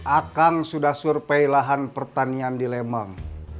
akang sudah survei lahan pertanian di lembang